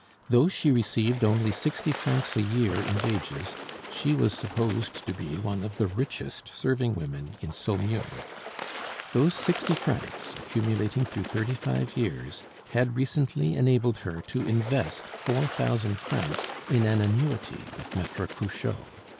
Though she received only sixty francs a year in wages, she was supposed to be one of the richest serving women in Saumur. Those sixty francs, accumulating through thirty five years, had recently enabled her to invest four thousand francs in an annuity with Maitre Cruchot.